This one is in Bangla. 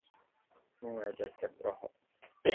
হু, এটা একটা গ্রহ।